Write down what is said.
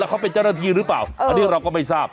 เขาเป็นเจ้าหน้าที่หรือเปล่าอันนี้เราก็ไม่ทราบ